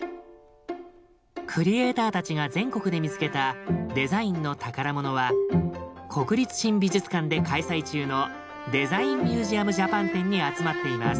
クリエーターたちが全国で見つけたデザインの宝物は国立新美術館で開催中の「デザインミュージアムジャパン展」に集まっています。